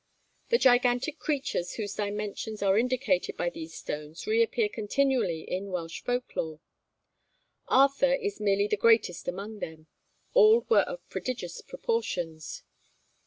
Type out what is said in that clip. The gigantic creatures whose dimensions are indicated by these stones reappear continually in Welsh folk lore. Arthur is merely the greatest among them; all were of prodigious proportions.